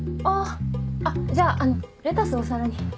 あっじゃあレタスお皿に。